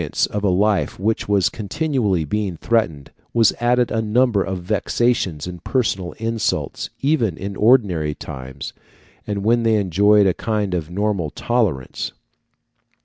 To the uncertainty and annoyance of a life which was continually being threatened, was added a number of vexatious and personal insults, even in ordinary times, and when they enjoyed a kind of normal tolerance.